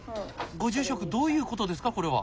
ご住職どういう事ですかこれは？